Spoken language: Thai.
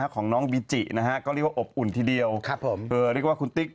ของน้องบีจินะฮะก็เรียกว่าอบอุ่นทีเดียวเรียกว่าคุณติ๊ก